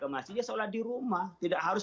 ke masjid ya seolah di rumah tidak harus